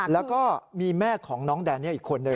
แล้วก็มีแม่ของน้องแดเนียลอีกคนนึ